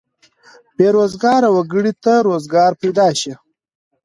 بې روزګاره وګړو ته روزګار پیدا شي.